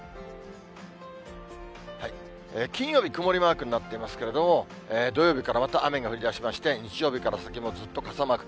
金曜日、曇りマークになっていますけれども、土曜日からまた雨が降りだしまして、日曜日から先もずっと傘マーク。